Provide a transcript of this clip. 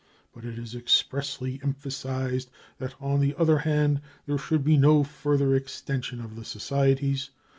But it is expressly emphasised that on the other hand there should be no further extension of the societies.